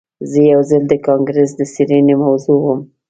زه یو ځل د کانګرس د څیړنې موضوع وم